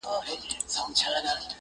پر خره سپور دئ، خر ځني ورک دئ.